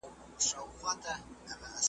له هر چا یې وو هېر کړی زوی او کلی .